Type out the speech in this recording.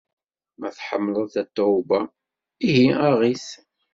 Ma tḥemmleḍ Tatoeba, ihi aɣ-it!